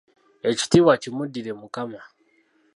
Ekitiibwa kimuddire Mukama!